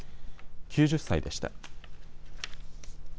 ９０歳でした。